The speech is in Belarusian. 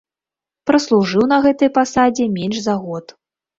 Праслужыў на гэтай пасадзе менш за год.